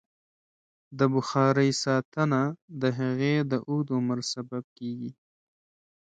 د بخارۍ ساتنه د هغې د اوږد عمر سبب کېږي.